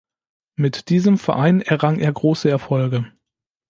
Mit diesem Verein errang er große Erfolge.